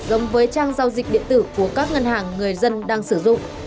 giống với trang giao dịch điện tử của các ngân hàng người dân đang sử dụng